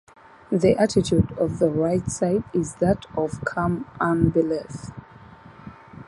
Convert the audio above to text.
The attitude of the right side is that of calm unbelief.